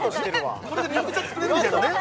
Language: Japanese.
これで緑茶作れるけどね